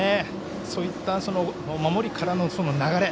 そういった守りからの流れ。